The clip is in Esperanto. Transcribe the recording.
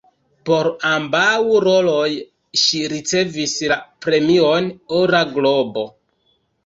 Por ambaŭ roloj ŝi ricevis la premion "Ora globo".